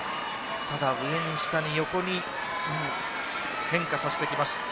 ただ、上に下に横に変化させてきます。